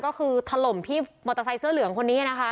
ก็คือถล่มพี่มอเตอร์ไซค์เสื้อเหลืองคนนี้นะคะ